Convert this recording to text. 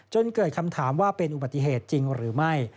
เกิดคำถามว่าเป็นอุบัติเหตุจริงหรือไม่